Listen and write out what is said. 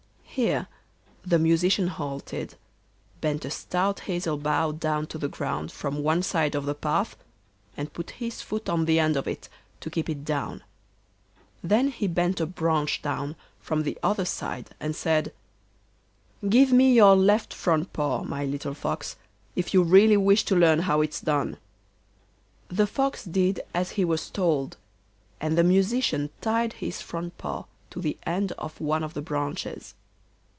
Here the Musician halted, bent a stout hazel bough down to the ground from one side of the path, and put his foot on the end of it to keep it down. Then he bent a branch down from the other side and said: 'Give me your left front paw, my little Fox, if you really wish to learn how it's done.' The Fox did as he was told, and the Musician tied his front paw to the end of one of the branches.